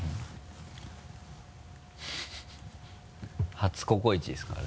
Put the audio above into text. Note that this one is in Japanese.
初「ココイチ」ですからね。